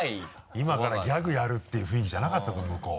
今からギャグやるっていう雰囲気じゃなかったぞ向こう。